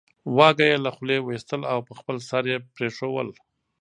واګی یې له خولې وېستل او په خپل سر یې پرېښودل